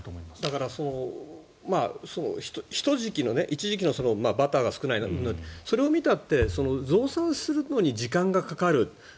だから、一時期のバターが少ないうんぬんそれを見たって増産するのに時間がかかる。